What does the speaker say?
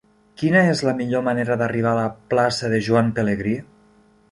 Quina és la millor manera d'arribar a la plaça de Joan Pelegrí?